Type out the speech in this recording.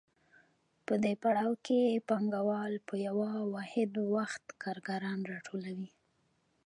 په دې پړاو کې پانګوال په یو واحد وخت کارګران راټولوي